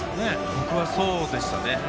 僕はそうでしたね。